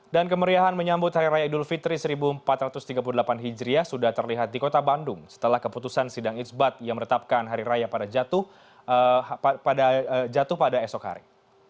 dan kemeriahan menyambut hari raya idul fitri seribu empat ratus tiga puluh delapan hijriah sudah terlihat di kota bandung setelah keputusan sidang ijbat yang meretapkan hari raya jatuh pada esok hari